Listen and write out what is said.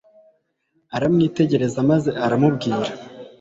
aramwitegereza maze aramubwira